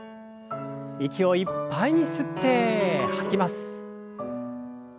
息をいっぱいに吸って吐きます。